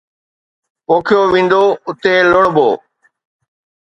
پوکيو ويندو، اتي لڻبو.